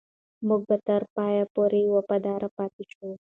موږ به تر پایه پورې وفادار پاتې شو.